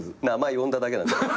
名前呼んだだけ。